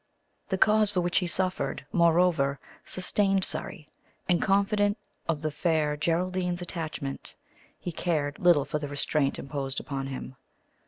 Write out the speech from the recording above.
The cause for which he suffered, moreover, sustained Surrey, and confident of the Fair Geraldine's attachment, he cared little for the restraint imposed upon him.